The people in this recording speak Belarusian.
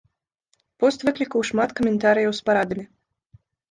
Пост выклікаў шмат каментарыяў з парадамі.